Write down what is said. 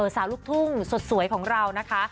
ลูกทุ่งสดสวยของเรานะคะ